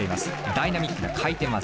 ダイナミックな回転技。